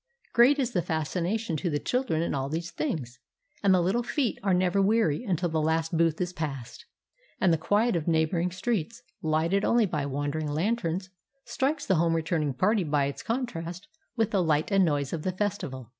Great is the fascination to the children in all these things, and the little feet are never weary until the last booth is passed, and the quiet of neighboring streets, lighted only by wandering lanterns, strikes the home returning party by its contrast with the light and noise of the festival.